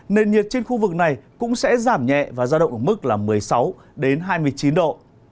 nền nhiệt trên khu vực này cũng sẽ giảm nhẹ và ra động mức một mươi sáu hai mươi chín độ